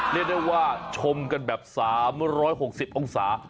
เรียกได้ว่าชมกันแบบ๓๖๐องศา